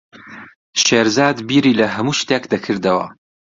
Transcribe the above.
شێرزاد بیری لە هەموو شتێک دەکردەوە.